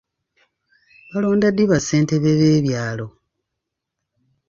Balonda ddi ba ssentebe b'ebyalo?